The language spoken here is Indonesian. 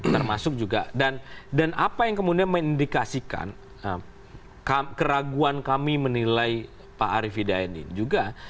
termasuk juga dan apa yang kemudian mengindikasikan keraguan kami menilai pak arief hidayat ini juga